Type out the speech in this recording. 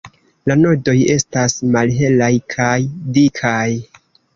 La nodoj estas malhelaj kaj dikaj.